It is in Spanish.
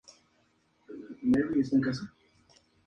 Luego de sus estudios de Farmacia, deviene boticario en su ciudad natal.